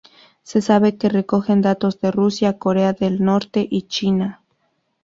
Se sabe que recogen datos de Rusia, Corea del Norte y China.